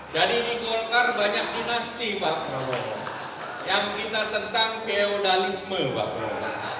jadi di golkar banyak dinasti pak prabowo yang kita tentang feudalisme pak prabowo